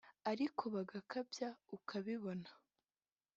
ariko bagakabya ukabibona